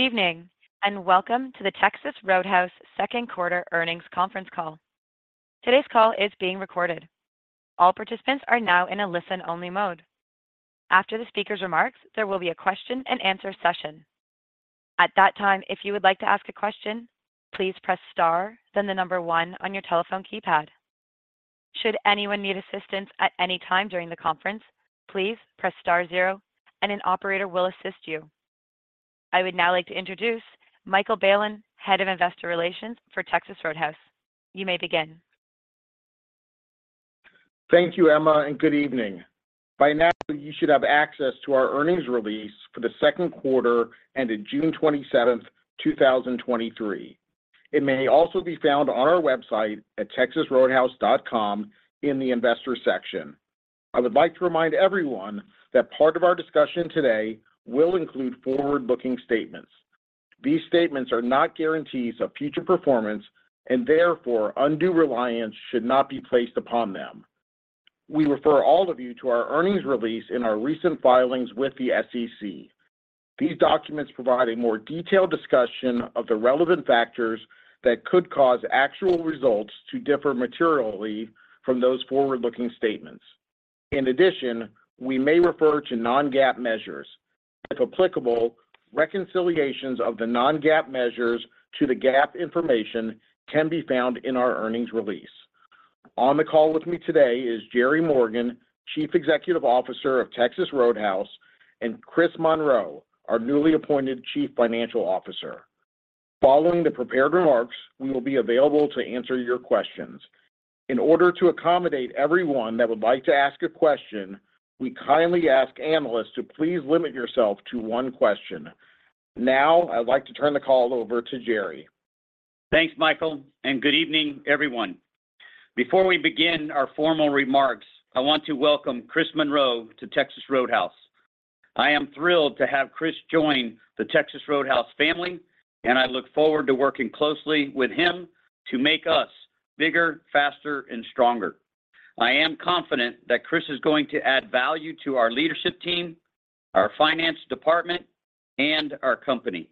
Good evening, and welcome to the Texas Roadhouse second quarter earnings conference call. Today's call is being recorded. All participants are now in a listen-only mode. After the speaker's remarks, there will be a question-and-answer session. At that time, if you would like to ask a question, please press Star, then the number one on your telephone keypad. Should anyone need assistance at any time during the conference, please press Star zero, and an operator will assist you. I would now like to introduce Michael Bailen, Head of Investor Relations for Texas Roadhouse. You may begin. Thank you, Emma, and good evening. By now, you should have access to our earnings release for the second quarter, ending June 27th, 2023. It may also be found on our website at texasroadhouse.com in the Investor section. I would like to remind everyone that part of our discussion today will include forward-looking statements. These statements are not guarantees of future performance, and therefore, undue reliance should not be placed upon them. We refer all of you to our earnings release in our recent filings with the SEC. These documents provide a more detailed discussion of the relevant factors that could cause actual results to differ materially from those forward-looking statements. In addition, we may refer to non-GAAP measures. If applicable, reconciliations of the non-GAAP measures to the GAAP information can be found in our earnings release. On the call with me today is Jerry Morgan, Chief Executive Officer of Texas Roadhouse, and Chris Monroe, our newly appointed Chief Financial Officer. Following the prepared remarks, we will be available to answer your questions. In order to accommodate everyone that would like to ask a question, we kindly ask analysts to please limit yourself to 1 question. Now, I'd like to turn the call over to Jerry. Thanks, Michael. Good evening, everyone. Before we begin our formal remarks, I want to welcome Chris Monroe to Texas Roadhouse. I am thrilled to have Chris join the Texas Roadhouse family. I look forward to working closely with him to make us bigger, faster, and stronger. I am confident that Chris is going to add value to our leadership team, our finance department, and our company.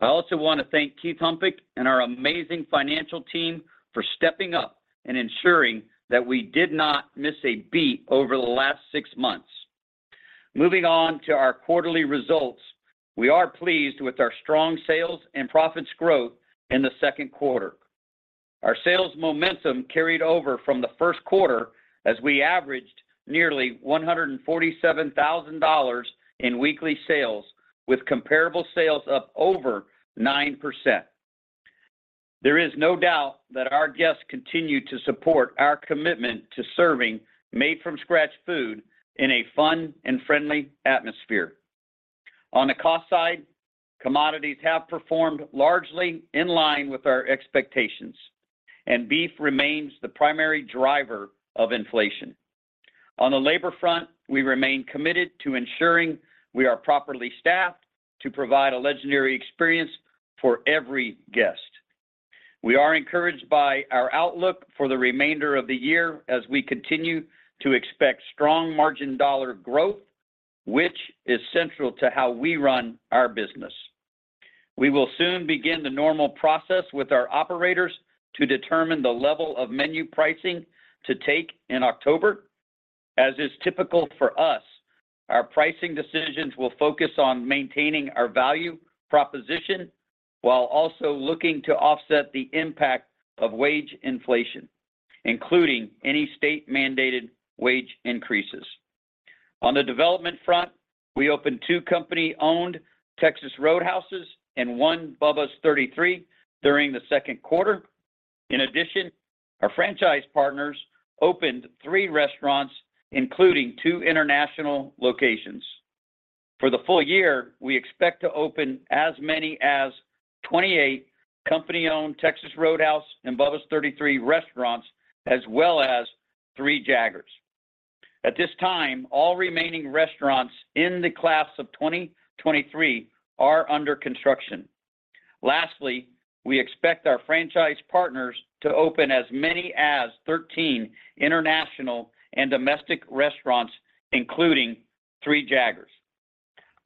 I also want to thank Keith Humpich and our amazing financial team for stepping up and ensuring that we did not miss a bit over the last six months. Moving on to our quarterly results, we are pleased with our strong sales and profits growth in the second quarter. Our sales momentum carried over from the first quarter as we averaged nearly $147,000 in weekly sales, with comparable sales up over 9%. There is no doubt that our guests continue to support our commitment to serving made-from-scratch food in a fun and friendly atmosphere. On the cost side, commodities have performed largely in line with our expectations, and beef remains the primary driver of inflation. On the labor front, we remain committed to ensuring we are properly staffed to provide a legendary experience for every guest. We are encouraged by our outlook for the remainder of the year as we continue to expect strong margin dollar growth, which is central to how we run our business. We will soon begin the normal process with our operators to determine the level of menu pricing to take in October. As is typical for us, our pricing decisions will focus on maintaining our value proposition while also looking to offset the impact of wage inflation, including any state mandated wage increases. On the development front, we opened two company-owned Texas Roadhouses and one Bubba's 33 during the second quarter. In addition, our franchise partners opened three restaurants, including two international locations. For the full year, we expect to open as many as 28 company-owned Texas Roadhouse and Bubba's 33 restaurants, as well as three Jaggers. At this time, all remaining restaurants in the class of 2023 are under construction. Lastly, we expect our franchise partners to open as many as 13 international and domestic restaurants, including three Jaggers.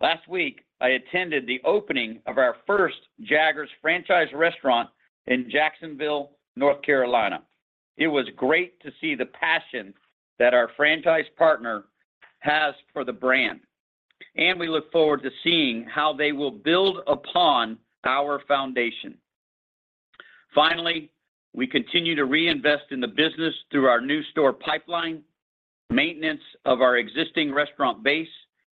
Last week, I attended the opening of our first Jaggers franchise restaurant in Jacksonville, North Carolina. It was great to see the passion that our franchise partner has for the brand, and we look forward to seeing how they will build upon our foundation. Finally, we continue to reinvest in the business through our new store pipeline, maintenance of our existing restaurant base,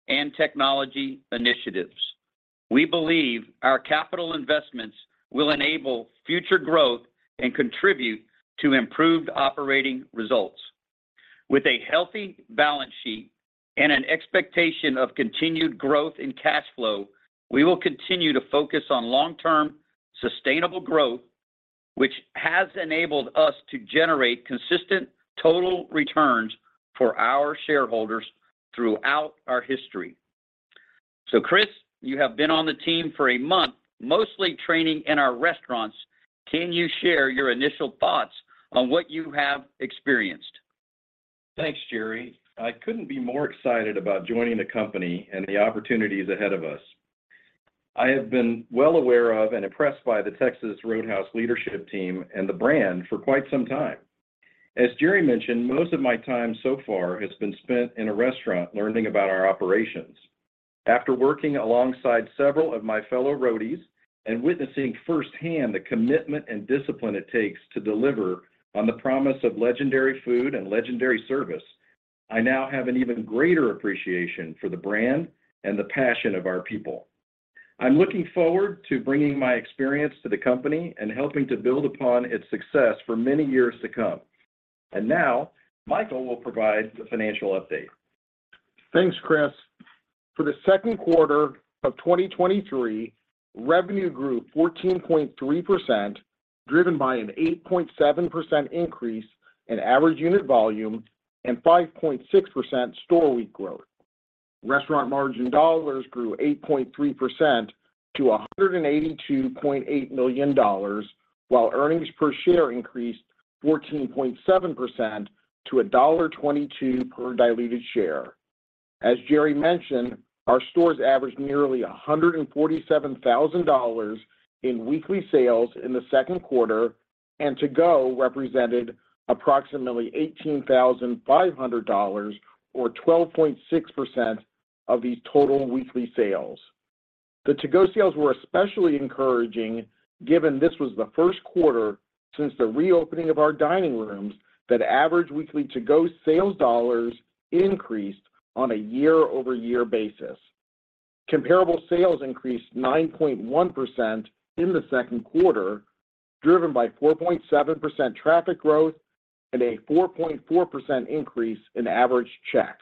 and technology initiatives. We believe our capital investments will enable future growth and contribute to improved operating results. With a healthy balance sheet and an expectation of continued growth in cash flow, we will continue to focus on long-term, sustainable growth, which has enabled us to generate consistent total returns for our shareholders throughout our history. Chris, you have been on the team for a month, mostly training in our restaurants. Can you share your initial thoughts on what you have experienced? Thanks, Jerry. I couldn't be more excited about joining the company and the opportunities ahead of us. I have been well aware of and impressed by the Texas Roadhouse leadership team and the brand for quite some time. As Jerry mentioned, most of my time so far has been spent in a restaurant learning about our operations. After working alongside several of my fellow Roadies and witnessing firsthand the commitment and discipline it takes to deliver on the promise of legendary food and legendary service, I now have an even greater appreciation for the brand and the passion of our people. I'm looking forward to bringing my experience to the company and helping to build upon its success for many years to come. Now Michael will provide the financial update. Thanks, Chris. For the second quarter of 2023, revenue grew 14.3%, driven by an 8.7% increase in average unit volume and 5.6% store week growth. Restaurant margin dollars grew 8.3% to $182.8 million, while earnings per share increased 14.7% to $1.22 per diluted share. As Jerry mentioned, our stores averaged nearly $147,000 in weekly sales in the second quarter, and to-go represented approximately $18,500 or 12.6% of these total weekly sales. The to-go sales were especially encouraging, given this was the first quarter since the reopening of our dining rooms, that average weekly to-go sales dollars increased on a year-over-year basis. Comparable sales increased 9.1% in the second quarter, driven by 4.7% traffic growth and a 4.4% increase in average check.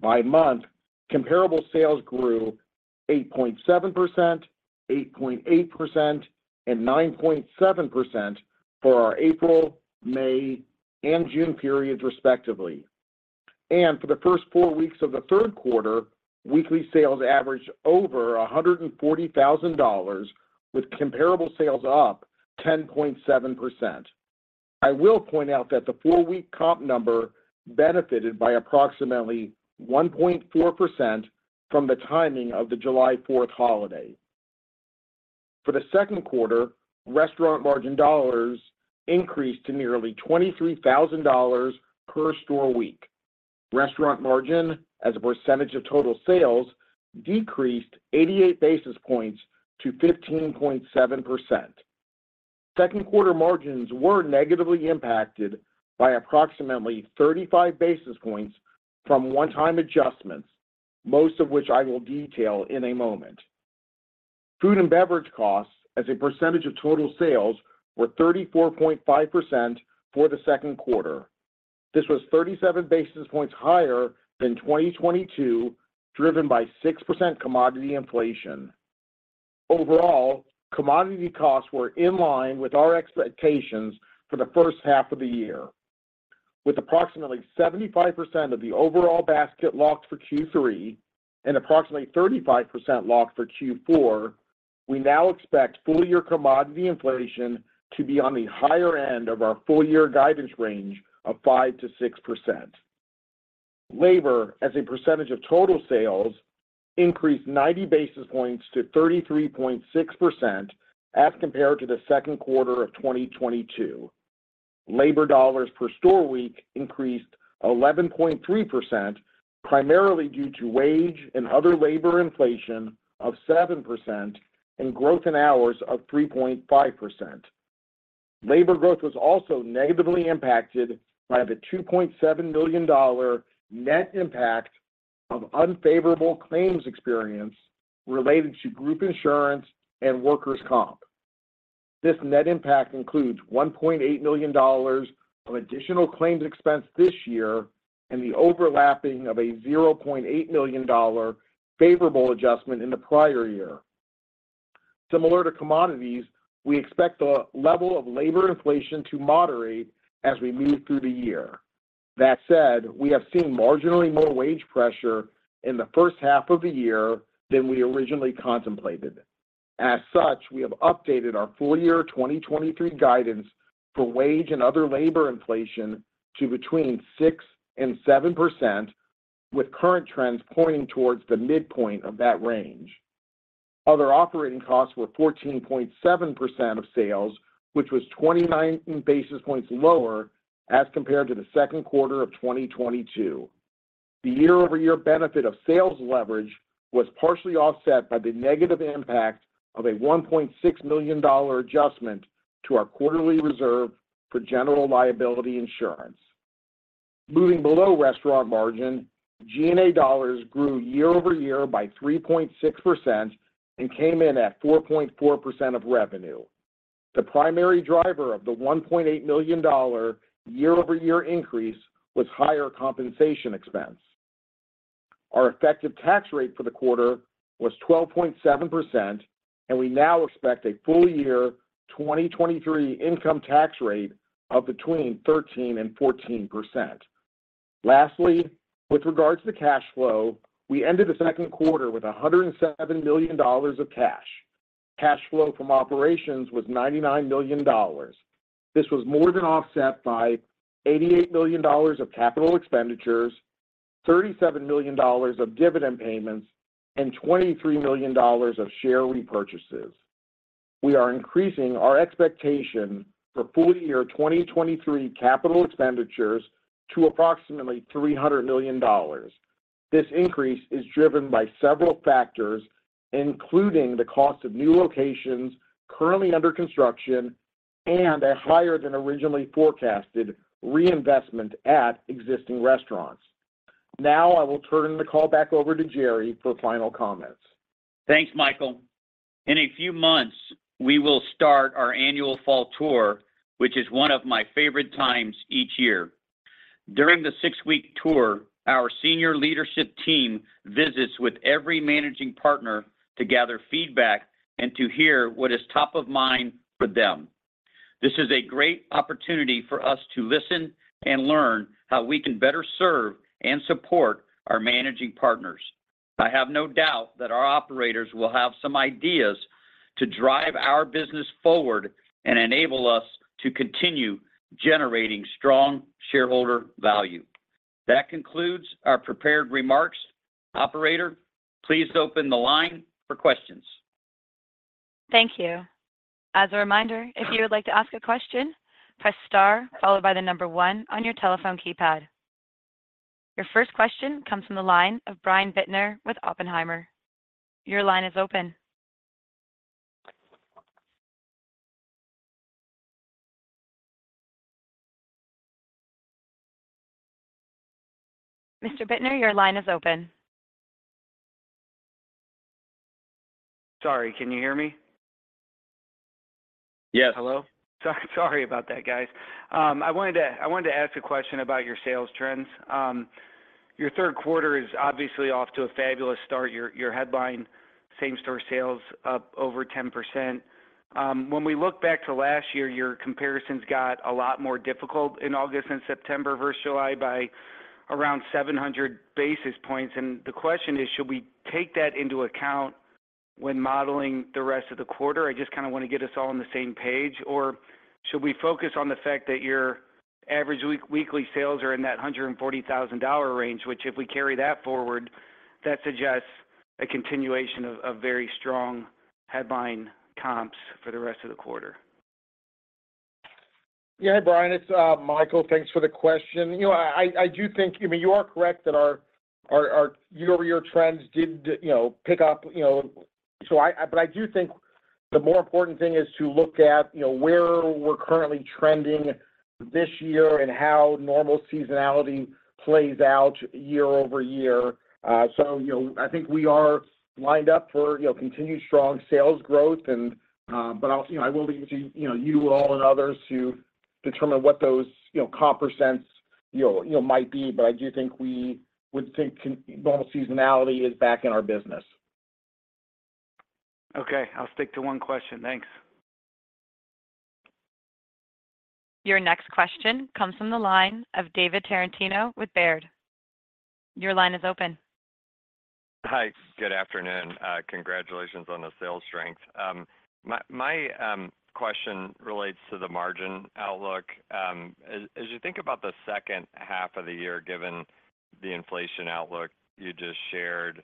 By month, comparable sales grew 8.7%, 8.8%, and 9.7% for our April, May, and June periods, respectively. For the first 4 weeks of the third quarter, weekly sales averaged over $140,000, with comparable sales up 10.7%. I will point out that the 4-week comp number benefited by approximately 1.4% from the timing of the July 4th holiday. For the second quarter, restaurant margin dollars increased to nearly $23,000 per store week. Restaurant margin, as a percentage of total sales, decreased 88 basis points to 15.7%. Second quarter margins were negatively impacted by approximately 35 basis points from one-time adjustments, most of which I will detail in a moment. Food and beverage costs as a percentage of total sales were 34.5% for the second quarter. This was 37 basis points higher than 2022, driven by 6% commodity inflation. Overall, commodity costs were in line with our expectations for the first half of the year. With approximately 75% of the overall basket locked for Q3 and approximately 35% locked for Q4, we now expect full year commodity inflation to be on the higher end of our full year guidance range of 5%-6%. Labor, as a percentage of total sales, increased 90 basis points to 33.6% as compared to the second quarter of 2022. Labor dollars per store week increased 11.3%, primarily due to wage and other labor inflation of 7% and growth in hours of 3.5%. Labor growth was also negatively impacted by the $2.7 million net impact of unfavorable claims experience related to group insurance and workers' comp. This net impact includes $1.8 million of additional claims expense this year and the overlapping of a $0.8 million favorable adjustment in the prior year. Similar to commodities, we expect the level of labor inflation to moderate as we move through the year. That said, we have seen marginally more wage pressure in the first half of the year than we originally contemplated. As such, we have updated our full year 2023 guidance for wage and other labor inflation to between 6% and 7%, with current trends pointing towards the midpoint of that range. Other operating costs were 14.7% of sales, which was 29 basis points lower as compared to the second quarter of 2022. The year-over-year benefit of sales leverage was partially offset by the negative impact of a $1.6 million adjustment to our quarterly reserve for general liability insurance. Moving below restaurant margin, G&A dollars grew year over year by 3.6% and came in at 4.4% of revenue. The primary driver of the $1.8 million year-over-year increase was higher compensation expense. Our effective tax rate for the quarter was 12.7%, and we now expect a full year 2023 income tax rate of between 13% and 14%. Lastly, with regards to cash flow, we ended the second quarter with $107 million of cash. Cash flow from operations was $99 million. This was more than offset by $88 million of capital expenditures, $37 million of dividend payments, and $23 million of share repurchases. We are increasing our expectation for full year 2023 capital expenditures to approximately $300 million. This increase is driven by several factors, including the cost of new locations currently under construction and a higher than originally forecasted reinvestment at existing restaurants. Now, I will turn the call back over to Jerry for final comments. Thanks, Michael. In a few months, we will start our annual fall tour, which is one of my favorite times each year. During the six-week tour, our senior leadership team visits with every managing partner to gather feedback and to hear what is top of mind for them. This is a great opportunity for us to listen and learn how we can better serve and support our managing partners. I have no doubt that our operators will have some ideas to drive our business forward and enable us to continue generating strong shareholder value. That concludes our prepared remarks. Operator, please open the line for questions. Thank you. As a reminder, if you would like to ask a question, press Star followed by the number 1 on your telephone keypad. Your first question comes from the line of Brian Bittner with Oppenheimer. Your line is open. Mr. Bittner, your line is open. Sorry, can you hear me? Yes. Hello. Sorry about that, guys. I wanted to, I wanted to ask a question about your sales trends. Your third quarter is obviously off to a fabulous start. Your, your headline, same-store sales up over 10%. When we look back to last year, your comparisons got a lot more difficult in August and September versus July by around 700 basis points, and the question is: should we take that into account when modeling the rest of the quarter? I just kinda want to get us all on the same page. Should we focus on the fact that your average week- weekly sales are in that $140,000 range, which, if we carry that forward, that suggests a continuation of, of very strong headline comps for the rest of the quarter? Yeah. Hi, Brian, it's Michael. Thanks for the question. You know, I, I do think. I mean, you are correct that our, our, our year-over-year trends did, you know, pick up, you know, but I do think the more important thing is to look at, you know, where we're currently trending this year and how normal seasonality plays out year-over-year. You know, I think we are lined up for, you know, continued strong sales growth and, but I'll, you know, I will leave it to, you know, you all and others to determine what those, you know, comp %, you know, you know, might be. I do think we would think normal seasonality is back in our business. Okay, I'll stick to 1 question. Thanks. Your next question comes from the line of David Tarantino with Baird. Your line is open. Hi, good afternoon. Congratulations on the sales strength. My, my question relates to the margin outlook. As, as you think about the second half of the year, given the inflation outlook you just shared,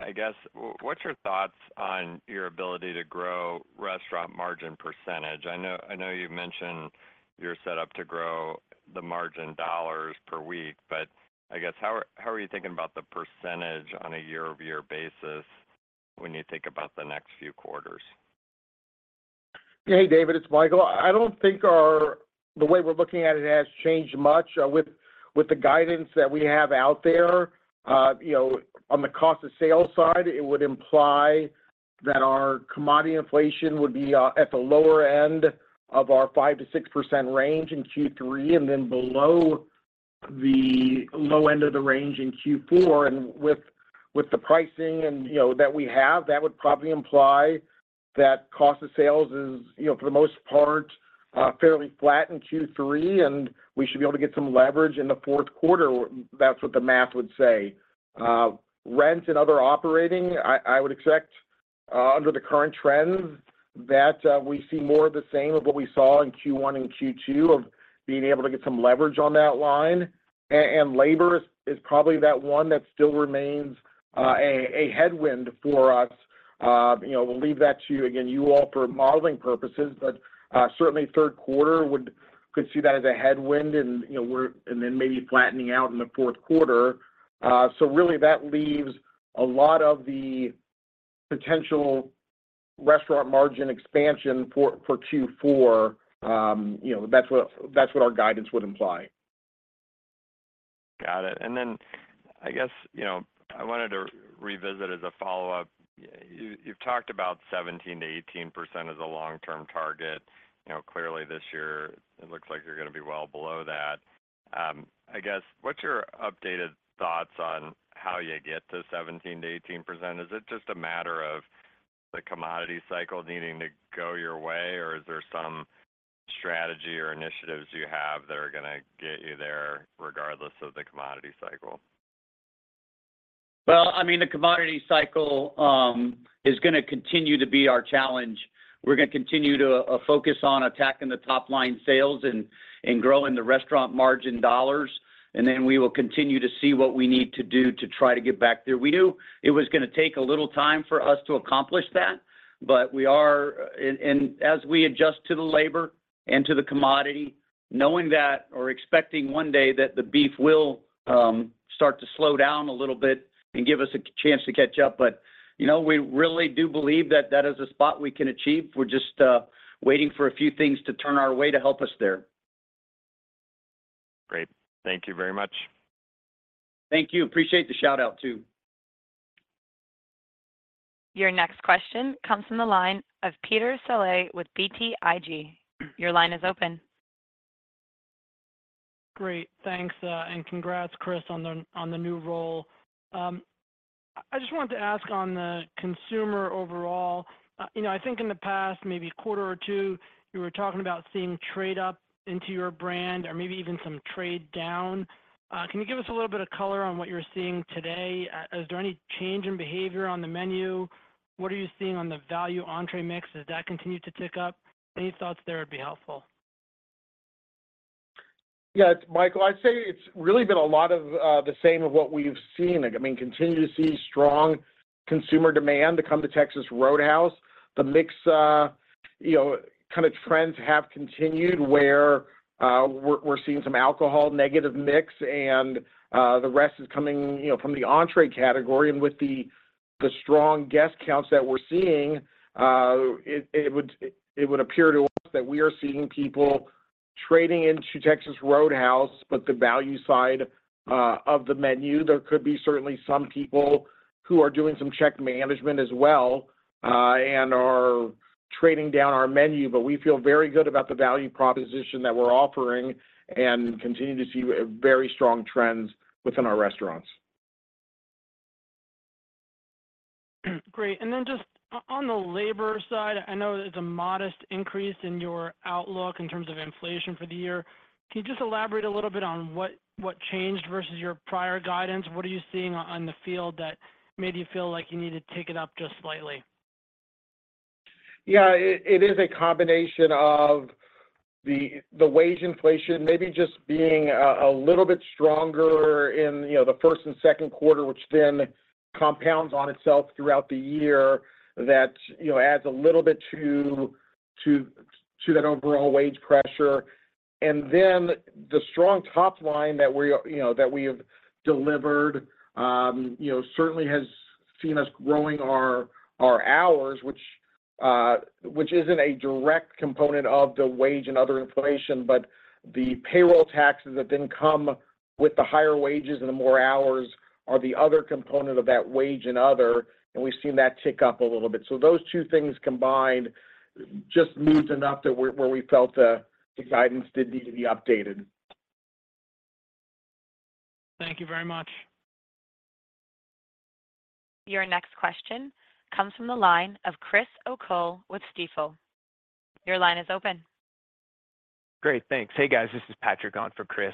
I guess, w-what's your thoughts on your ability to grow restaurant margin percentage? I know, I know you mentioned you're set up to grow the margin dollars per week, but I guess, how are, how are you thinking about the percentage on a year-over-year basis when you think about the next few quarters? Hey, David, it's Michael. I don't think our... The way we're looking at it has changed much, with, with the guidance that we have out there. You know, on the cost of sales side, it would imply that our commodity inflation would be at the lower end of our 5%-6% range in Q3, and then below the low end of the range in Q4. With, with the pricing and, you know, that we have, that would probably imply that cost of sales is, you know, for the most part, fairly flat in Q3, and we should be able to get some leverage in the fourth quarter. That's what the math would say. Rent and other operating, I, I would expect under the current trends, that we see more of the same of what we saw in Q1 and Q2, of being able to get some leverage on that line. Labor is, is probably that one that still remains a headwind for us. You know, we'll leave that to you. Again, you all for modeling purposes, certainly third quarter could see that as a headwind and, you know, we're and then maybe flattening out in the fourth quarter. Really, that leaves a lot of the potential restaurant margin expansion for, for Q4, you know, that's what, that's what our guidance would imply. Got it. Then, I guess, you know, I wanted to revisit as a follow-up. You, you've talked about 17%-18% as a long-term target. You know, clearly this year, it looks like you're gonna be well below that. I guess, what's your updated thoughts on how you get to 17%-18%? Is it just a matter of the commodity cycle needing to go your way, or is there some strategy or initiatives you have that are gonna get you there, regardless of the commodity cycle? Well, I mean, the commodity cycle is going to continue to be our challenge. We're going to continue to focus on attacking the top-line sales and growing the restaurant margin dollars. We will continue to see what we need to do to try to get back there. We knew it was going to take a little time for us to accomplish that, but we are, and as we adjust to the labor and to the commodity, knowing that or expecting one day that the beef will start to slow down a little bit and give us a chance to catch up. You know, we really do believe that that is a spot we can achieve. We're just waiting for a few things to turn our way to help us there. Great. Thank you very much. Thank you. Appreciate the shout-out, too. Your next question comes from the line of Peter Saleh with BTIG. Your line is open. Great, thanks, and congrats, Chris, on the, on the new role. I just wanted to ask on the consumer overall, you know, I think in the past, maybe a quarter or 2, you were talking about seeing trade up into your brand or maybe even some trade down. Can you give us a little bit of color on what you're seeing today? Is there any change in behavior on the menu? What are you seeing on the value entry mix? Does that continue to tick up? Any thoughts there would be helpful. Yeah, it's Michael. I'd say it's really been a lot of the same of what we've seen. I mean, continue to see strong consumer demand to come to Texas Roadhouse. The mix, you know, kind of trends have continued where we're seeing some alcohol negative mix, and the rest is coming, you know, from the entry category. With the strong guest counts that we're seeing, it would appear to us that we are seeing people trading into Texas Roadhouse, but the value side of the menu. There could be certainly some people who are doing some check management as well, and are trading down our menu. We feel very good about the value proposition that we're offering and continue to see a very strong trends within our restaurants. Great. Then just on the labor side, I know there's a modest increase in your outlook in terms of inflation for the year. Can you just elaborate a little bit on what changed versus your prior guidance? What are you seeing on the field that made you feel like you need to take it up just slightly? Yeah, it, it is a combination of the, the wage inflation, maybe just being a, a little bit stronger in, you know, the first and second quarter, which then compounds on itself throughout the year. That, you know, adds a little bit to, to, to that overall wage pressure. The strong top line that we're, you know, that we have delivered, you know, certainly has seen us growing our, our hours, which, which isn't a direct component of the wage and other inflation, but the payroll taxes that then come with the higher wages and the more hours are the other component of that wage and other, and we've seen that tick up a little bit. Those two things combined just moves enough to where, where we felt, the guidance did need to be updated. Thank you very much. Your next question comes from the line of Chris O'Cull with Stifel. Your line is open. Great, thanks. Hey, guys, this is Patrick on for Chris.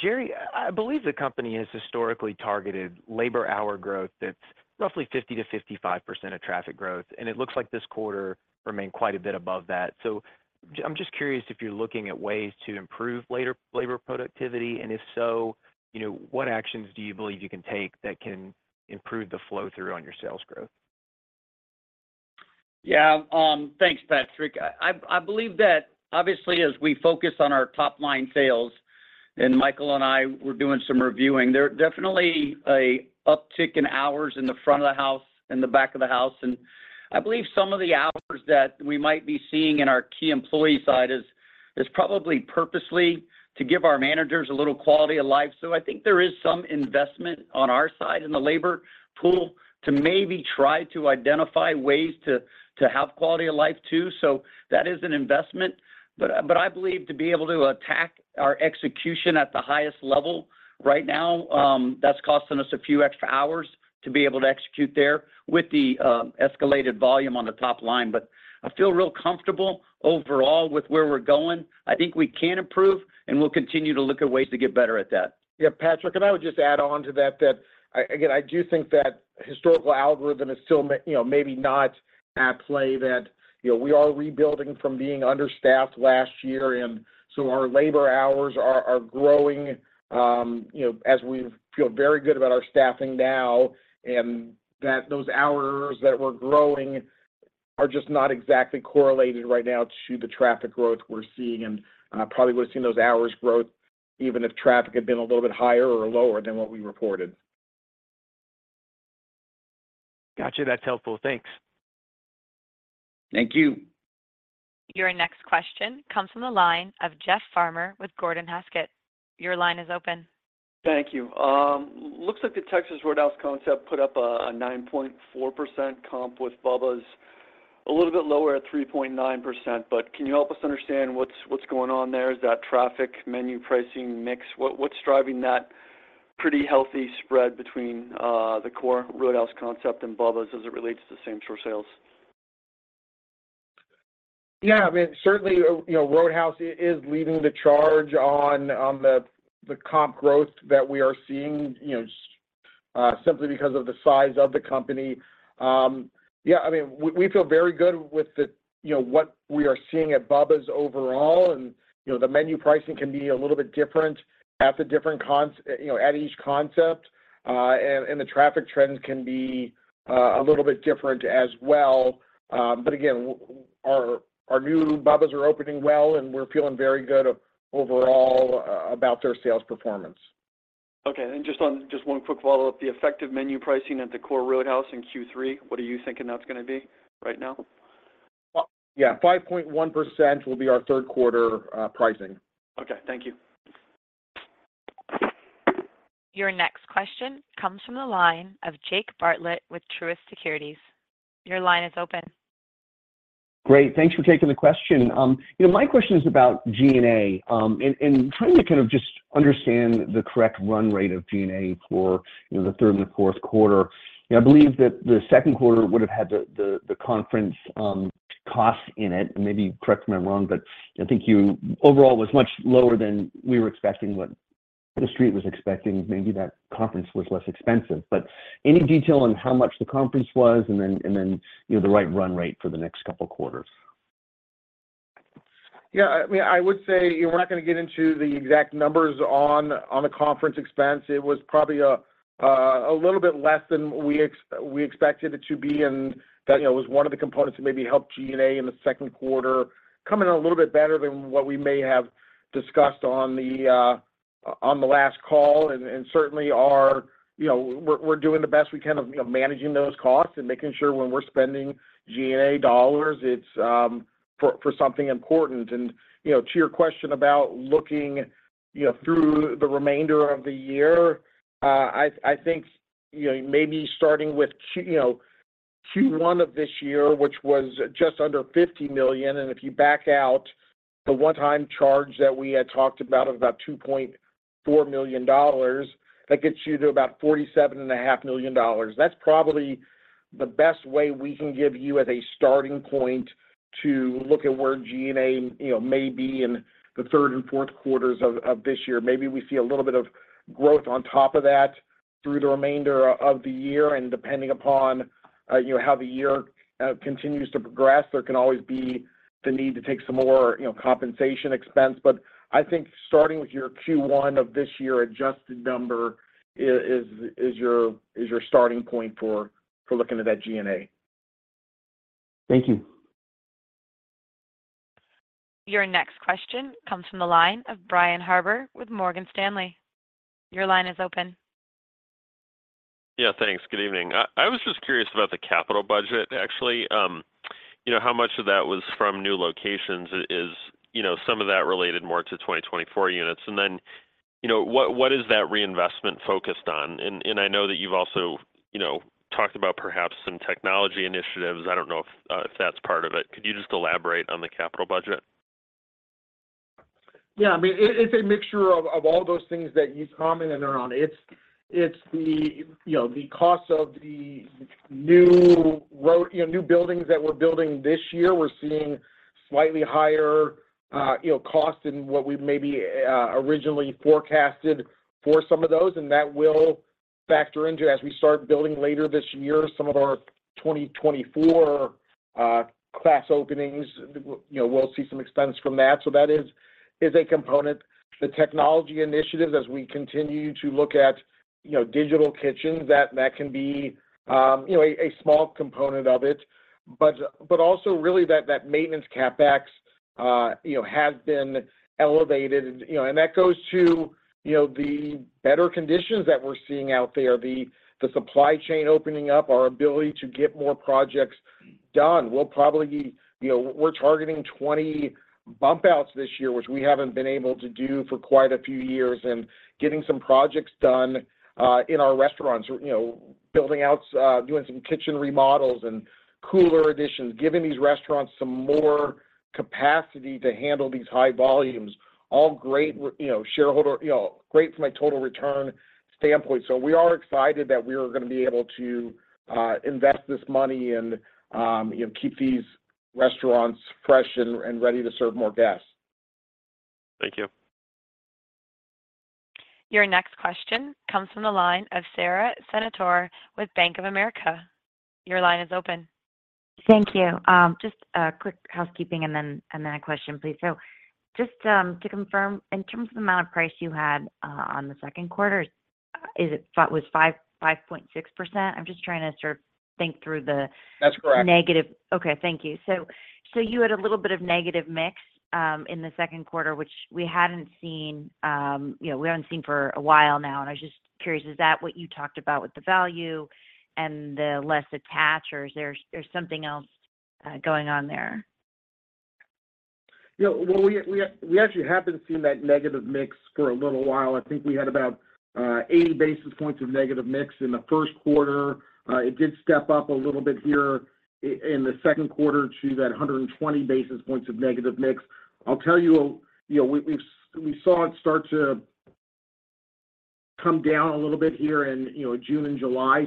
Jerry, I believe the company has historically targeted labor hour growth that's roughly 50%-55% of traffic growth, and it looks like this quarter remained quite a bit above that. I'm just curious if you're looking at ways to improve labor productivity, and if so, you know, what actions do you believe you can take that can improve the flow through on your sales growth? Yeah, thanks, Patrick. I believe that obviously, as we focus on our top-line sales, and Michael and I were doing some reviewing, there are definitely a uptick in hours in the front of the house and the back of the house. I believe some of the hours that we might be seeing in our key employee side is probably purposely to give our managers a little quality of life. I think there is some investment on our side in the labor pool to maybe try to identify ways to have quality of life, too. That is an investment, but I believe to be able to attack our execution at the highest level right now, that's costing us a few extra hours to be able to execute there with the escalated volume on the top line. I feel real comfortable overall with where we're going. I think we can improve, and we'll continue to look at ways to get better at that. Yeah, Patrick, I would just add on to that, that, again, I do think that historical algorithm is still you know, maybe not at play, that, you know, we are rebuilding from being understaffed last year, and so our labor hours are, are growing, you know, as we feel very good about our staffing now, and that those hours that we're growing are just not exactly correlated right now to the traffic growth we're seeing. Probably would have seen those hours growth even if traffic had been a little bit higher or lower than what we reported. Got you. That's helpful. Thanks. Thank you. Your next question comes from the line of Jeff Farmer with Gordon Haskett. Your line is open. Thank you. Looks like the Texas Roadhouse concept put up a 9.4% comp with Bubba's a little bit lower at 3.9%. Can you help us understand what's, what's going on there? Is that traffic, menu pricing, mix? What, what's driving that pretty healthy spread between the core Roadhouse concept and Bubba's as it relates to same-store sales? Yeah, I mean, certainly, you know, Roadhouse is leading the charge on, on the, the comp growth that we are seeing, you know, simply because of the size of the company. Yeah, I mean, we feel very good with the, you know, what we are seeing at Bubba's overall. You know, the menu pricing can be a little bit different at the different, you know, at each concept, and, and the traffic trends can be a little bit different as well. Again, our, our new Bubba's are opening well, and we're feeling very good overall, about their sales performance. Okay. Just 1 quick follow-up. The effective menu pricing at the core Roadhouse in Q3, what are you thinking that's gonna be right now? Well, yeah, 5.1% will be our third quarter pricing. Okay. Thank you. Your next question comes from the line of Jake Bartlett with Truist Securities. Your line is open. Great. Thanks for taking the question. You know, my question is about G&A, and, and trying to kind of just understand the correct run rate of G&A for, you know, the third and the fourth quarter. You know, I believe that the second quarter would have had the, the, the conference costs in it, and maybe correct me if I'm wrong, but Overall, it was much lower than we were expecting, what the street was expecting. Maybe that conference was less expensive. Any detail on how much the conference was, and then, and then, you know, the right run rate for the next couple quarters? Yeah, I, I mean, I would say we're not gonna get into the exact numbers on, on the conference expense. It was probably a little bit less than we expected it to be, and that, you know, was one of the components that maybe helped G&A in the second quarter come in a little bit better than what we may have discussed on the last call. Certainly our... You know, we're, we're doing the best we can of, you know, managing those costs and making sure when we're spending G&A dollars, it's for, for something important. You know, to your question about looking, you know, through the remainder of the year, I, I think, you know, maybe starting with Q1 of this year, which was just under $50 million, and if you back out the one-time charge that we had talked about, of about $2.4 million, that gets you to about $47.5 million. That's probably the best way we can give you as a starting point to look at where G&A, you know, may be in the third and fourth quarters of this year. Maybe we see a little bit of growth on top of that through the remainder of the year. Depending upon, you know, how the year continues to progress, there can always be the need to take some more, you know, compensation expense. I think starting with your Q1 of this year, adjusted number is, is your, is your starting point for, for looking at that G&A. Thank you. Your next question comes from the line of Brian Harbour with Morgan Stanley. Your line is open. Yeah, thanks. Good evening. I, I was just curious about the capital budget, actually. you know, how much of that was from new locations? is, you know, some of that related more to 2024 units, and then, you know, what, what is that reinvestment focused on? I know that you've also, you know, talked about perhaps some technology initiatives. I don't know if, if that's part of it. Could you just elaborate on the capital budget? Yeah. I mean, it, it's a mixture of, of all those things that you commented on. It's, it's the, you know, the cost of the new, you know, new buildings that we're building this year. We're seeing slightly higher, you know, cost than what we maybe originally forecasted for some of those, and that will factor into as we start building later this year. Some of our 2024 class openings, you know, we'll see some expense from that. That is, is a component. The technology initiatives, as we continue to look at, you know, digital kitchens, that, that can be, you know, a, a small component of it. Also really that, that maintenance CapEx, you know, has been elevated. You know, that goes to, you know, the better conditions that we're seeing out there, the, the supply chain opening up, our ability to get more projects done. We'll probably. You know, we're targeting 20 bump outs this year, which we haven't been able to do for quite a few years, and getting some projects done in our restaurants. You know, building out, doing some kitchen remodels and cooler additions, giving these restaurants some more capacity to handle these high volumes. All great you know, shareholder, you know, great from a total return standpoint. We are excited that we are gonna be able to invest this money and, you know, keep these restaurants fresh and, and ready to serve more guests. Thank you. Your next question comes from the line of Sara Senatore with Bank of America. Your line is open. Thank you. Just a quick housekeeping and then, and then a question, please. Just to confirm, in terms of the amount of price you had, on the second quarter, is it was 5.6%? I'm just trying to sort of think through the- That's correct. negative. Okay, thank you. So you had a little bit of negative mix in the second quarter, which we hadn't seen, you know, we haven't seen for a while now, and I was just curious, is that what you talked about with the value and the less attached, or is there, there's something else going on there? You know, well, we, we, we actually haven't seen that negative mix for a little while. I think we had about 80 basis points of negative mix in the first quarter. It did step up a little bit here in the second quarter to that 120 basis points of negative mix. I'll tell you, you know, we, we've, we saw it start to come down a little bit here in, you know, June and July.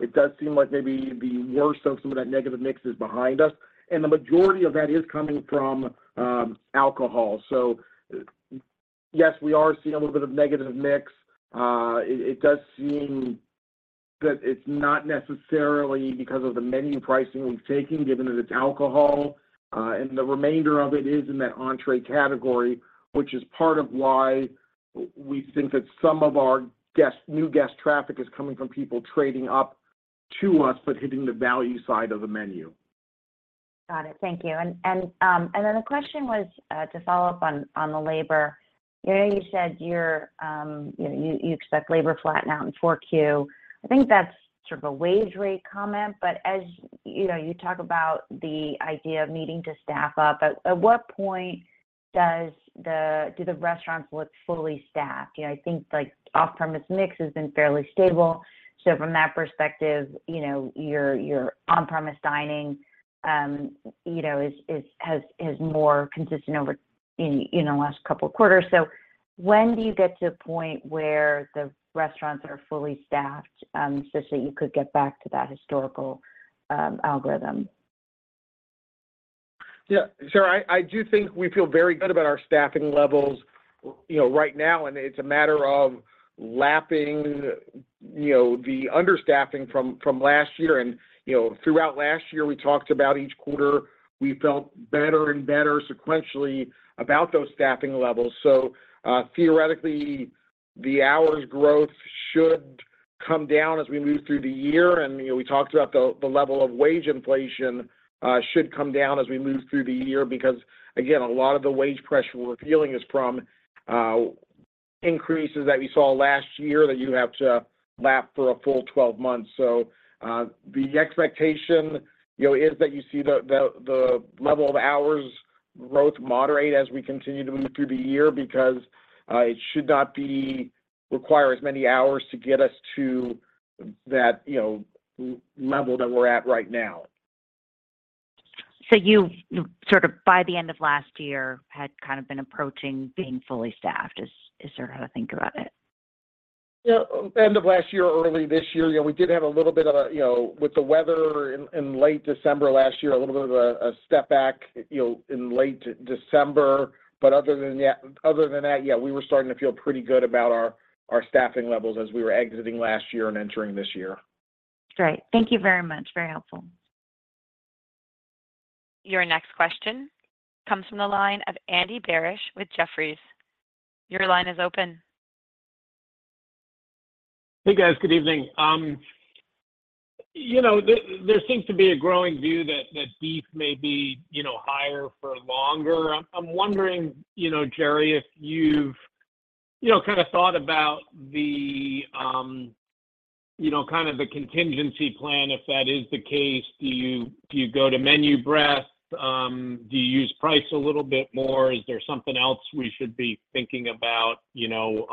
It does seem like maybe the worst of some of that negative mix is behind us, and the majority of that is coming from alcohol. Yes, we are seeing a little bit of negative mix. it, it does seem that it's not necessarily because of the menu pricing we've taken, given that it's alcohol, and the remainder of it is in that entry category, which is part of why w-we think that some of our guest, new guest traffic is coming from people trading up to us, but hitting the value side of the menu. Got it. Thank you. The question was to follow up on the labor. You know, you said you're, you know, you, you expect labor to flatten out in 4Q. I think that's sort of a wage rate comment, but as, you know, you talk about the idea of needing to staff up. At what point do the restaurants look fully staffed? You know, I think, like, off-premise mix has been fairly stable. From that perspective, you know, your, your on-premise dining, you know, is, is, has, is more consistent over in, in the last couple of quarters. When do you get to the point where the restaurants are fully staffed so that you could get back to that historical algorithm? Yeah, sure. I, I do think we feel very good about our staffing levels, you know, right now, and it's a matter of lapping, you know, the understaffing from, from last year. You know, throughout last year, we talked about each quarter, we felt better and better sequentially about those staffing levels. Theoretically, the hours growth should come down as we move through the year. You know, we talked about the, the level of wage inflation should come down as we move through the year because, again, a lot of the wage pressure we're feeling is from increases that we saw last year that you have to lap for a full 12 months. The expectation, you know, is that you see the, the, the level of hours growth moderate as we continue to move through the year because, it should not be require as many hours to get us to that, you know, level that we're at right now. You, sort of, by the end of last year, had kind of been approaching being fully staffed. Is, is there how to think about it? Yeah, end of last year or early this year, you know, we did have a little bit of a, you know, with the weather in, in late December last year, a little bit of a, a step back, you know, in late December. Other than that, other than that, yeah, we were starting to feel pretty good about our, our staffing levels as we were exiting last year and entering this year. Great. Thank you very much. Very helpful. Your next question comes from the line of Andy Barish with Jefferies. Your line is open. Hey, guys. Good evening. You know, there, there seems to be a growing view that, that beef may be, you know, higher for longer. I'm, I'm wondering, you know, Jerry, if you've, you know, kind of thought about the, you know, kind of the contingency plan. If that is the case, do you, do you go to menu breadth? Do you use price a little bit more? Is there something else we should be thinking about, you know,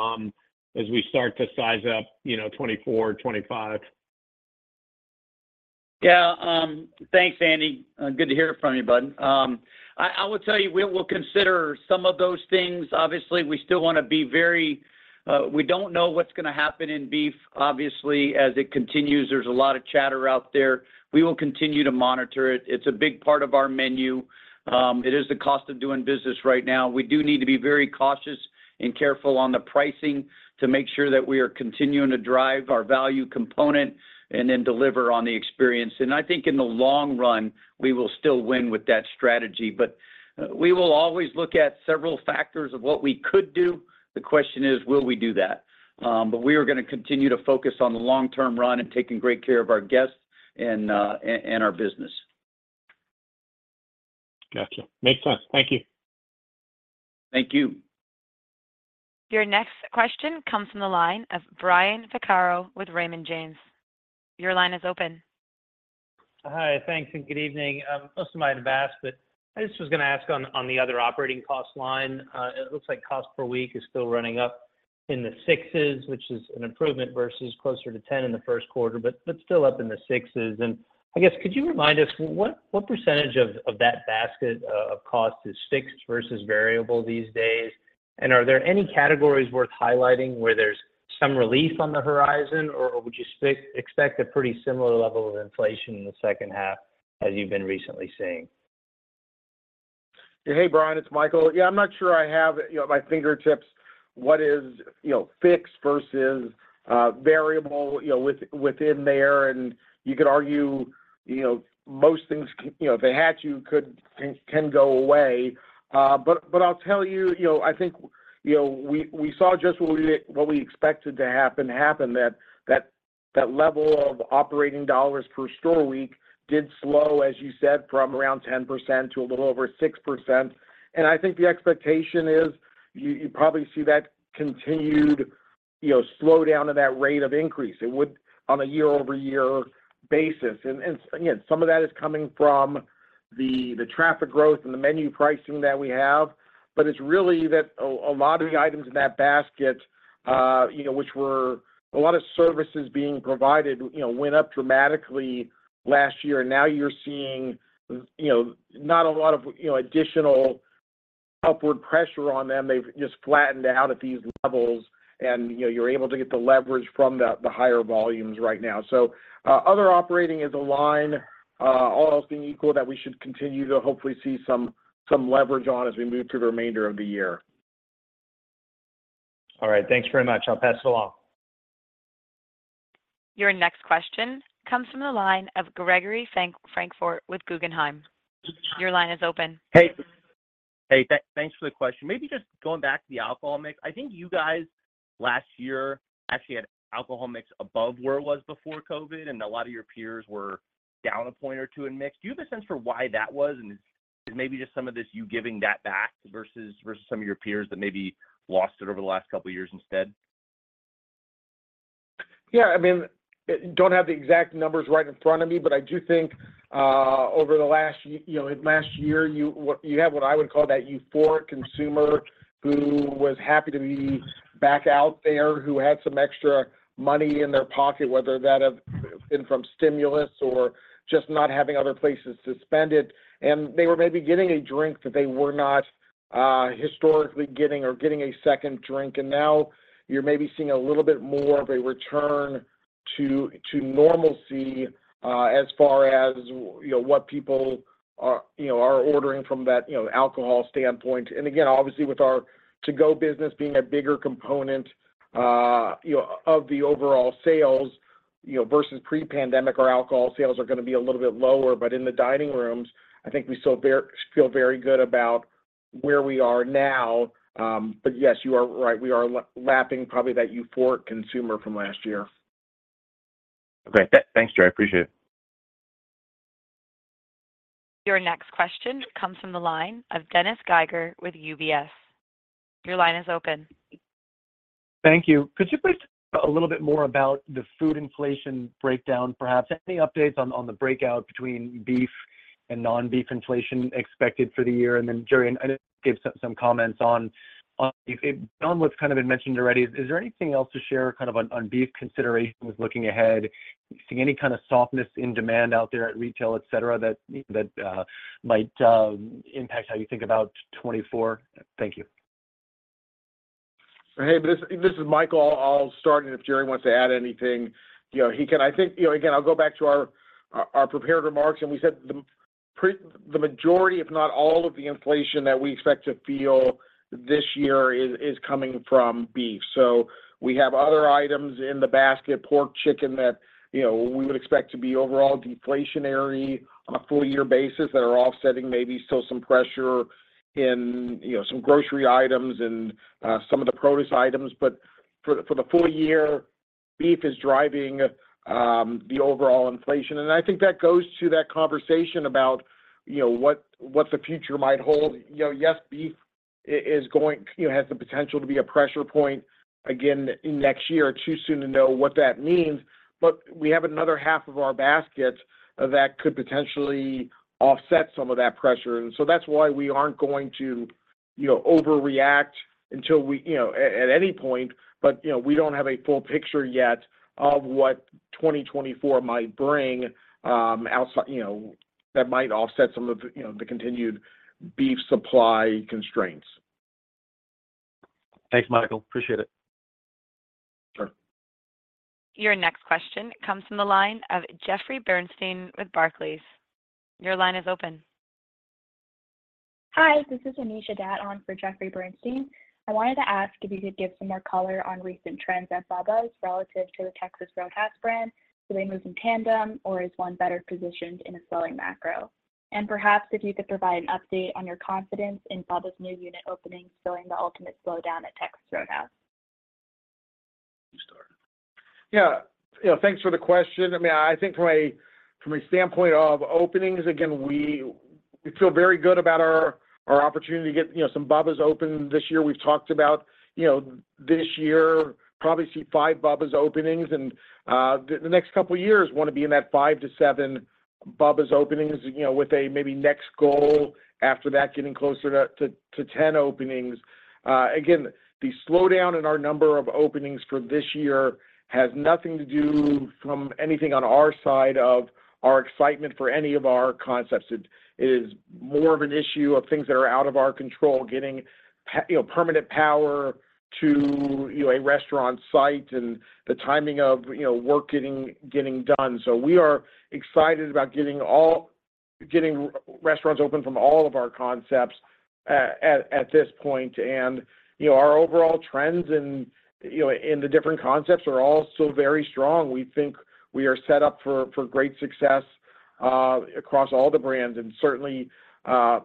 as we start to size up, you know, 2024, 2025? Yeah, thanks, Andy. Good to hear from you, bud. I, I would tell you, we, we'll consider some of those things. Obviously, we still want to be very... We don't know what's going to happen in beef. Obviously, as it continues, there's a lot of chatter out there. We will continue to monitor it. It's a big part of our menu. It is the cost of doing business right now. We do need to be very cautious and careful on the pricing to make sure that we are continuing to drive our value component and then deliver on the experience. I think in the long run, we will still win with that strategy. We will always look at several factors of what we could do. The question is, will we do that? We are going to continue to focus on the long-term run and taking great care of our guests and, and, and our business. Gotcha. Makes sense. Thank you. Thank you. Your next question comes from the line of Brian Vaccaro with Raymond James. Your line is open. Hi, thanks, good evening. Most of my advance, I just was going to ask on the other operating cost line. It looks like cost per week is still running up in the $6s, which is an improvement versus closer to $10 in the first quarter, still up in the $6s. I guess, could you remind us what, what % of that basket of cost is fixed versus variable these days? Are there any categories worth highlighting where there's some relief on the horizon, or would you expect a pretty similar level of inflation in the second half as you've been recently seeing? Hey, Brian, it's Michael. Yeah, I'm not sure I have, you know, at my fingertips what is, you know, fixed versus variable, you know, within there. You could argue, you know, most things, you know, if they had to, could, can, can go away. But I'll tell you, you know, I think, you know, we, we saw just what we, what we expected to happen, happen, that, that, that level of operating dollars per store week did slow, as you said, from around 10% to a little over 6%. I think the expectation is you, you probably see that continued, you know, slowdown of that rate of increase. It would on a year-over-year basis. And again, some of that is coming from the, the traffic growth and the menu pricing that we have. It's really that a lot of the items in that basket, you know, which were a lot of services being provided, you know, went up dramatically last year. Now you're seeing, you know, not a lot of, you know, additional upward pressure on them. They've just flattened out at these levels, and, you know, you're able to get the leverage from the, the higher volumes right now. Other operating is a line, all else being equal, that we should continue to hopefully see some, some leverage on as we move through the remainder of the year. All right, thanks very much. I'll pass it along. Your next question comes from the line of Gregory Francfort with Guggenheim. Your line is open. Hey, hey, thanks for the question. Maybe just going back to the alcohol mix, I think you guys last year actually had alcohol mix above where it was before COVID, and a lot of your peers were down a point or two in mix. Do you have a sense for why that was, and is maybe just some of this you giving that back versus, versus some of your peers that maybe lost it over the last couple of years instead? Yeah. I mean, don't have the exact numbers right in front of me. I do think, over the last you know, last year, you had what I would call that euphoric consumer who was happy to be back out there, who had some extra money in their pocket, whether that have been from stimulus or just not having other places to spend it, they were maybe getting a drink that they were not, historically getting or getting a second drink. Now you're maybe seeing a little bit more of a return to, to normalcy, as far as you know, what people are, you know, are ordering from that, you know, alcohol standpoint. Again, obviously, with our to-go business being a bigger component, you know, of the overall sales, you know, versus pre-pandemic, our alcohol sales are gonna be a little bit lower, but in the dining rooms, I think we still feel very good about where we are now. Yes, you are right. We are lapping probably that euphoric consumer from last year. Okay. Thanks, Jerry. I appreciate it. Your next question comes from the line of Dennis Geiger with UBS. Your line is open. Thank you. Could you please talk a little bit more about the food inflation breakdown, perhaps any updates on the breakout between beef and non-beef inflation expected for the year? Then, Jerry, I know gave some comments on. Beyond what's been mentioned already, is there anything else to share on beef considerations looking ahead? Are you seeing any softness in demand out there at retail, et cetera, that might impact how you think about 2024? Thank you. Hey, this, this is Michael. I'll start, and if Jerry wants to add anything, you know, he can. I think, you know, again, I'll go back to our, our, our prepared remarks, and we said the majority, if not all of the inflation that we expect to feel this year is, is coming from beef. We have other items in the basket, pork, chicken, that, you know, we would expect to be overall deflationary on a full year basis, that are offsetting maybe still some pressure in, you know, some grocery items and some of the produce items. For the, for the full year, beef is driving the overall inflation, and I think that goes to that conversation about, you know, what, what the future might hold. You know, yes, beef is going you know, has the potential to be a pressure point again next year. Too soon to know what that means. We have another half of our basket that could potentially offset some of that pressure, so that's why we aren't going to, you know, overreact until we, you know, at any point. You know, we don't have a full picture yet of what 2024 might bring, outside, you know, that might offset some of, you know, the continued beef supply constraints. Thanks, Michael. Appreciate it. Sure. Your next question comes from the line of Jeffrey Bernstein with Barclays. Your line is open. Hi, this is Anisha Datta on for Jeffrey Bernstein. I wanted to ask if you could give some more color on recent trends at Bubba's relative to the Texas Roadhouse brand. Do they move in tandem, or is one better positioned in a slowing macro? Perhaps if you could provide an update on your confidence in Bubba's new unit openings following the ultimate slowdown at Texas Roadhouse. You start. Yeah. You know, thanks for the question. I mean, I think from a, from a standpoint of openings, again, we, we feel very good about our, our opportunity to get, you know, some Bubba's open this year. We've talked about, you know, this year, probably see 5 Bubba's openings, and the next couple of years, wanna be in that 5 to 7 Bubba's openings, you know, with a maybe next goal after that, getting closer to, to, to 10 openings. Again, the slowdown in our number of openings for this year has nothing to do from anything on our side of our excitement for any of our concepts. It is more of an issue of things that are out of our control, getting you know, permanent power to, you know, a restaurant site and the timing of, you know, work getting, getting done. We are excited about getting restaurants open from all of our concepts at this point. You know, our overall trends in, you know, in the different concepts are all still very strong. We think we are set up for, for great success across all the brands, and certainly,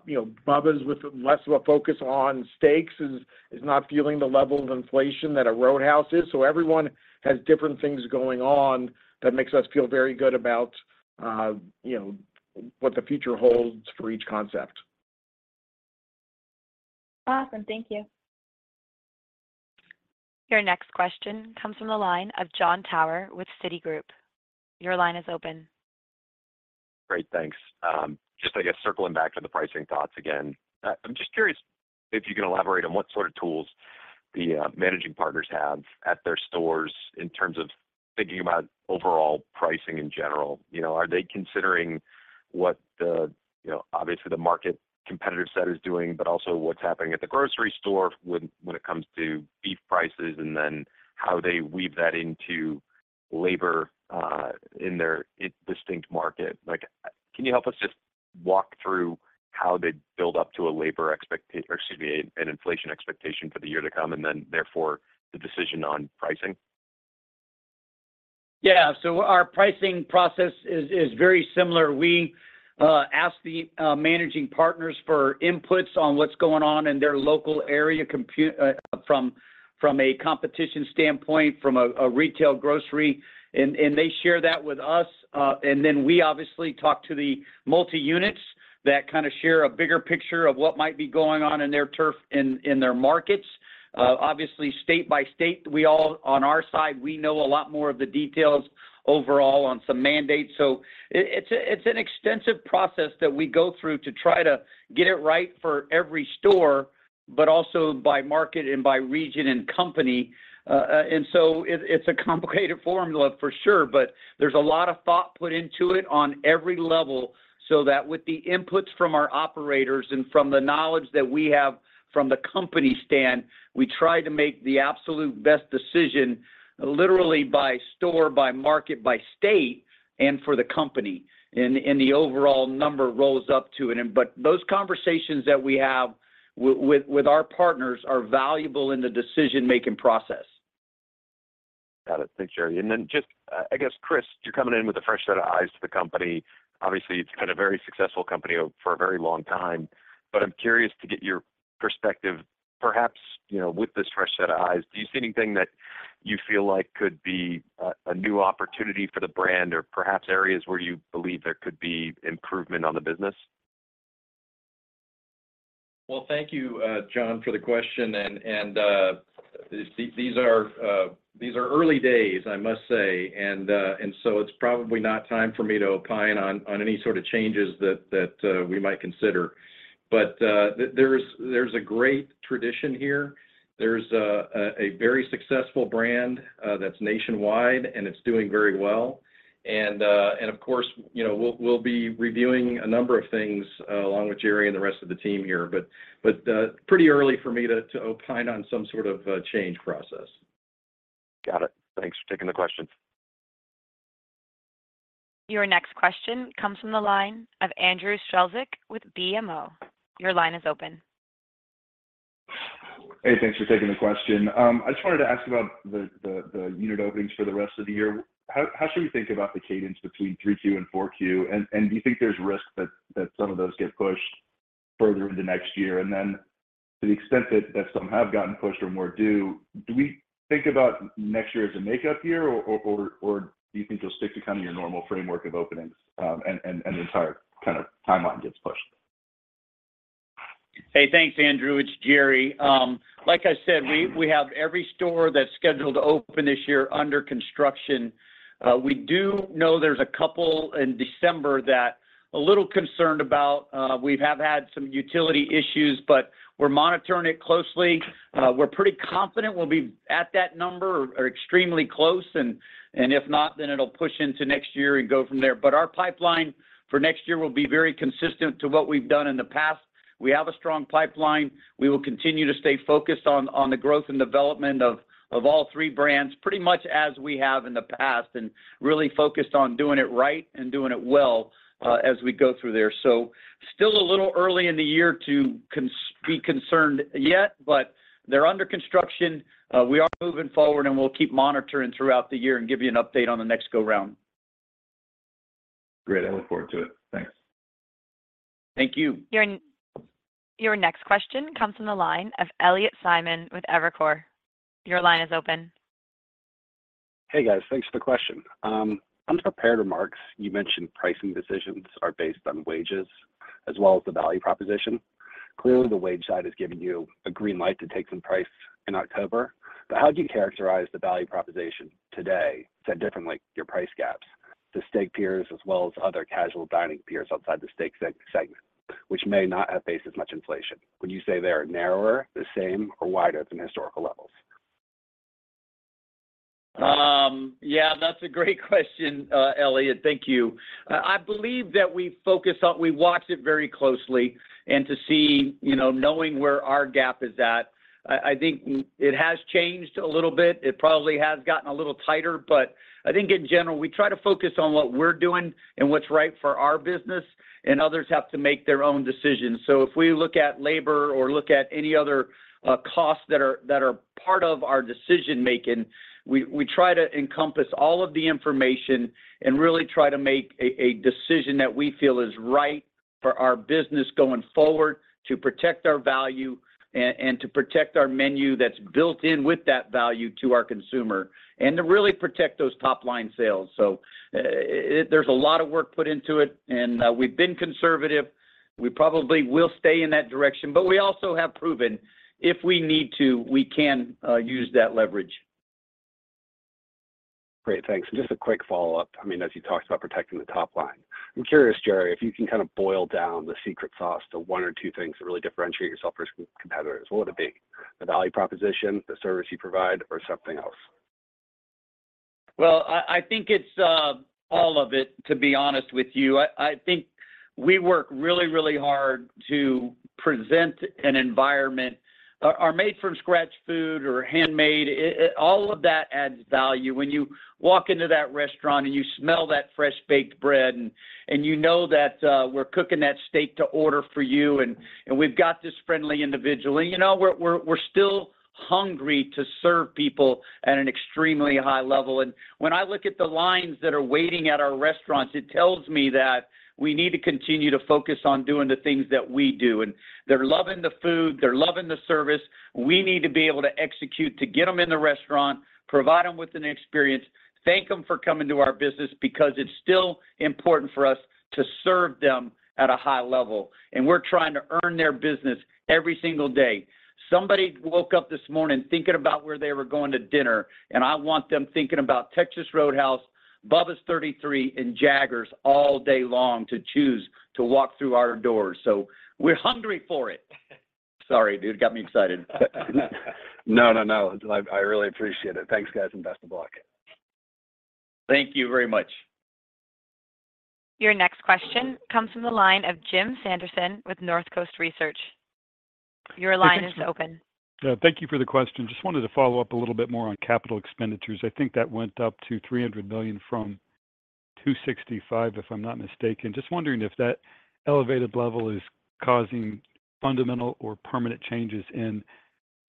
you know, Bubba's with less of a focus on steaks is, is not feeling the level of inflation that a Roadhouse is. Everyone has different things going on that makes us feel very good about, you know, what the future holds for each concept. Awesome. Thank you. Your next question comes from the line of Jon Tower with Citigroup. Your line is open. Great, thanks. just I guess, circling back to the pricing thoughts again, I'm just curious if you can elaborate on what sort of tools-... the managing partners have at their stores in terms of thinking about overall pricing in general? You know, are they considering what the, you know, obviously, the market competitor set is doing, but also what's happening at the grocery store when, when it comes to beef prices, and then how they weave that into labor in their distinct market? Like, can you help us just walk through how they build up to a labor or excuse me, an inflation expectation for the year to come, and then therefore, the decision on pricing? Yeah. Our pricing process is very similar. We ask the managing partners for inputs on what's going on in their local area from a competition standpoint, from a retail grocery, and they share that with us. Then we obviously talk to the multi-units that kind of share a bigger picture of what might be going on in their turf, in their markets. State by state, we all, on our side, we know a lot more of the details overall on some mandates. It's an extensive process that we go through to try to get it right for every store, but also by market and by region and company. It's a complicated formula for sure, but there's a lot of thought put into it on every level, so that with the inputs from our operators and from the knowledge that we have from the company stand, we try to make the absolute best decision, literally by store, by market, by state, and for the company. The overall number rolls up to it. Those conversations that we have with, with our partners are valuable in the decision-making process. Got it. Thanks, Jerry. Then just, I guess, Chris, you're coming in with a fresh set of eyes to the company. Obviously, it's been a very successful company for a very long time, but I'm curious to get your perspective. Perhaps, you know, with this fresh set of eyes, do you see anything that you feel like could be a new opportunity for the brand or perhaps areas where you believe there could be improvement on the business? Well, thank you, John, for the question, and, and, these, these are, these are early days, I must say. It's probably not time for me to opine on, on any sort of changes that, that, we might consider. There's, there's a great tradition here. There's a, a, a very successful brand, that's nationwide, and it's doing very well. Of course, you know, we'll, we'll be reviewing a number of things, along with Jerry and the rest of the team here, but, but, pretty early for me to, to opine on some sort of, change process. Got it. Thanks for taking the question. Your next question comes from the line of Andrew Strelzik with BMO. Your line is open. Hey, thanks for taking the question. I just wanted to ask about the unit openings for the rest of the year. How should we think about the cadence between 3Q and 4Q? Do you think there's risk that some of those get pushed further into next year? To the extent that some have gotten pushed or more due, do we think about next year as a makeup year, or do you think you'll stick to kind of your normal framework of openings, and the entire kind of timeline gets pushed? Hey, thanks, Andrew. It's Jerry. Like I said, we, we have every store that's scheduled to open this year under construction. We do know there's a couple in December that a little concerned about. We've have had some utility issues, but we're monitoring it closely. We're pretty confident we'll be at that number or, or extremely close, if not, then it'll push into next year and go from there. Our pipeline for next year will be very consistent to what we've done in the past. We have a strong pipeline. We will continue to stay focused on, on the growth and development of, of all three brands, pretty much as we have in the past, and really focused on doing it right and doing it well, as we go through there. Still a little early in the year to be concerned yet, but they're under construction. We are moving forward, and we'll keep monitoring throughout the year and give you an update on the next go round. Great, I look forward to it. Thanks. Thank you. Your next question comes from the line of Elliot Simon with Evercore. Your line is open. Hey, guys. Thanks for the question. On prepared remarks, you mentioned pricing decisions are based on wages as well as the value proposition. Clearly, the wage side has given you a green light to take some price in October. How do you characterize the value proposition today to differently your price gaps to steak peers, as well as other casual dining peers outside the steak segment, which may not have faced as much inflation? Would you say they are narrower, the same, or wider than historical levels? Yeah, that's a great question, Elliot. Thank you. I believe that we watch it very closely and to see, you know, knowing where our gap is at. I think it has changed a little bit. It probably has gotten a little tighter, but I think in general, we try to focus on what we're doing and what's right for our business, and others have to make their own decisions. If we look at labor or look at any other costs that are, that are part of our decision making, we, we try to encompass all of the information and really try to make a decision that we feel is right for our business going forward, to protect our value, and to protect our menu that's built in with that value to our consumer, and to really protect those top-line sales. There's a lot of work put into it, and we've been conservative. We probably will stay in that direction, but we also have proven if we need to, we can use that leverage. Great, thanks. Just a quick follow-up. I mean, as you talked about protecting the top line, I'm curious, Jerry, if you can kind of boil down the secret sauce to one or two things that really differentiate yourself versus competitors, what would it be? The value proposition, the service you provide, or something else? Well, I, I think it's all of it, to be honest with you. I, I think we work really, really hard to present an environment. Our, our made-from-scratch food or handmade, it, it, all of that adds value. When you walk into that restaurant and you smell that fresh-baked bread, and, and you know that we're cooking that steak to order for you, and, and we've got this friendly individual, and, you know, we're, we're, we're still hungry to serve people at an extremely high level. When I look at the lines that are waiting at our restaurants, it tells me that we need to continue to focus on doing the things that we do, and they're loving the food, they're loving the service. We need to be able to execute, to get them in the restaurant, provide them with an experience, thank them for coming to our business, because it's still important for us to serve them at a high level, and we're trying to earn their business every single day. Somebody woke up this morning thinking about where they were going to dinner, and I want them thinking about Texas Roadhouse, Bubba's 33, and Jaggers all day long to choose to walk through our doors. We're hungry for it. Sorry, dude, got me excited. No, no, no. I, I really appreciate it. Thanks, guys, and best of luck. Thank you very much. Your next question comes from the line of Jim Sanderson with North Coast Research. Your line is open. Yeah, thank you for the question. Just wanted to follow up a little bit more on capital expenditures. I think that went up to $300 million from $265, if I'm not mistaken. Just wondering if that elevated level is causing fundamental or permanent changes in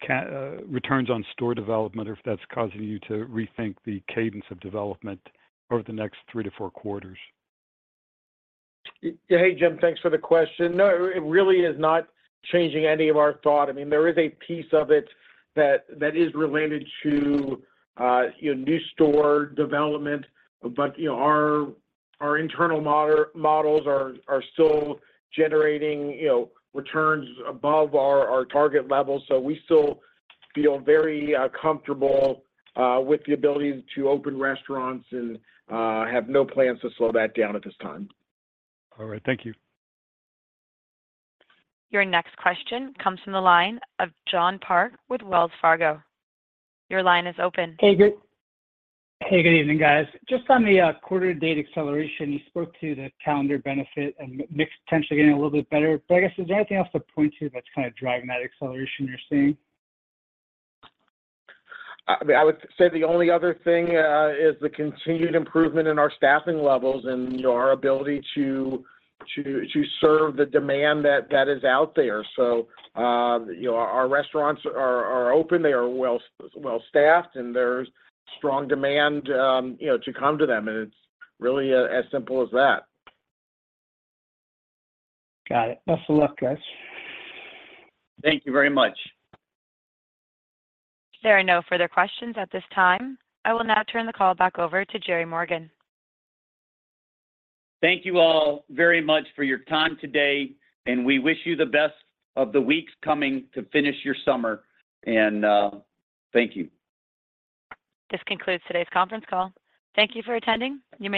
CapEx returns on store development, or if that's causing you to rethink the cadence of development over the next 3-4 quarters. Yeah. Hey, Jim, thanks for the question. No, it, it really is not changing any of our thought. I mean, there is a piece of it that, that is related to, you know, new store development, but, you know, our, our internal model, models are, are still generating, you know, returns above our, our target level. We still feel very comfortable with the ability to open restaurants and have no plans to slow that down at this time. All right. Thank you. Your next question comes from the line of John Park with Wells Fargo. Your line is open. Hey, good evening, guys. Just on the quarter date acceleration, you spoke to the calendar benefit and mix potentially getting a little bit better. I guess, is there anything else to point to that's kind of driving that acceleration you're seeing? I would say the only other thing is the continued improvement in our staffing levels and, you know, our ability to serve the demand that is out there. You know, our restaurants are open, they are well-staffed, and there's strong demand, you know, to come to them, and it's really as simple as that. Got it. Best of luck, guys. Thank you very much. There are no further questions at this time. I will now turn the call back over to Jerry Morgan. Thank you all very much for your time today, and we wish you the best of the weeks coming to finish your summer, and, thank you. This concludes today's conference call. Thank you for attending. You may disconnect.